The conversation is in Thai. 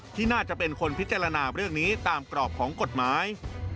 ที่น่าจะเป็นคนพิจารณาเรื่องนี้ตามกรอบของกฎหมาย